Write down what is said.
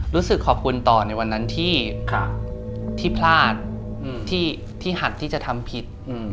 รู้สึกขอบคุณต่อในวันนั้นที่พลาดที่หักที่จะทำผิด